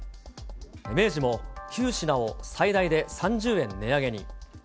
明治も９品を最大で３０円値上げに。